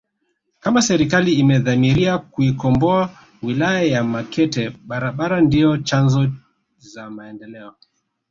Kama serikali imedhamiria kuikomboa wilaya ya Makete barabara ndio chanzo za maendeleo